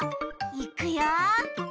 いくよ。